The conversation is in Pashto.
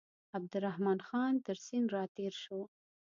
عبدالرحمن خان تر سیند را تېر شو.